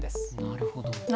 なるほど。